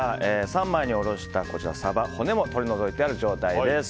三枚に下ろしたサバ骨も取り除いてある状態です。